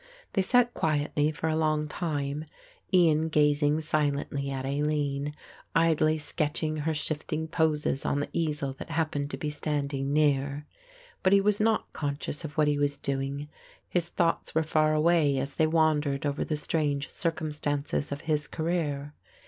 They sat quietly for a long time, Ian gazing silently at Aline, idly sketching her shifting poses on the easel that happened to be standing near; but he was not conscious of what he was doing; his thoughts were far away as they wandered over the strange circumstances of his career.